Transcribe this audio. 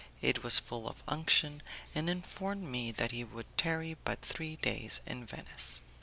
It was full of unction, and informed me that he would tarry but three days in Venice.